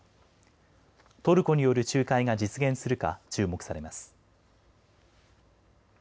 トルコによる仲介が実現するか注目されます。